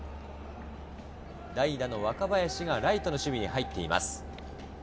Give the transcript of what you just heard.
代打の若林がライトの守備に入っています。